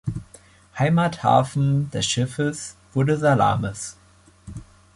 Heimathafen des Schiffes wurde Salamis.